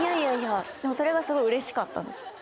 でもそれがすごいうれしかったんです。